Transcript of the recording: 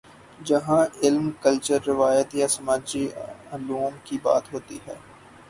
جہاں علم، کلچر، روایت یا سماجی علوم کی بات ہوتی ہے۔